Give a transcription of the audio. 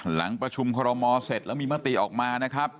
หลังประชุมคอรมอเสร็จแล้วมีมติออกมานะครับ